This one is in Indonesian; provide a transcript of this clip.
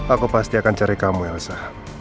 aku pasti akan cari kamu elsa